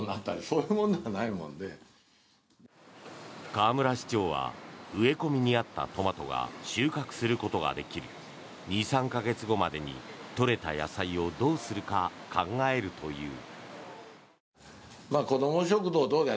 河村市長は植え込みにあったトマトが収穫することができる２３か月後までに取れた野菜をどうするか考えるという。